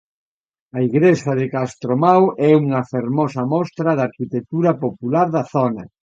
A Igrexa de Castromao é unha fermosa mostra da arquitectura popular da zona.